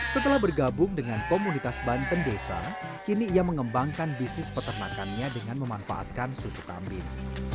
setelah bergabung dengan komunitas banten desa kini ia mengembangkan bisnis peternakannya dengan memanfaatkan susu kambing